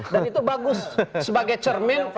dan itu bagus sebagai cermin